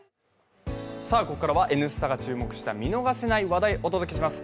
ここからは「Ｎスタ」が注目した見逃せない話題、お届けします。